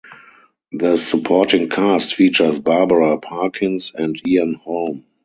The supporting cast features Barbara Parkins and Ian Holm.